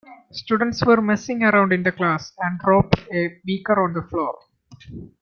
Students were messing around in class and dropped a beaker on the floor.